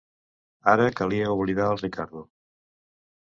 Ara calia oblidar el Riccardo...